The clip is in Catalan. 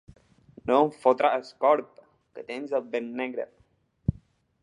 No em fotràs corb, que tens el bec negre.